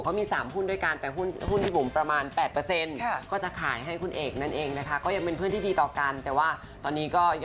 เขามี๓หุ้นด้วยกันแต่หุ้นพี่บุ๋มประมาณ๘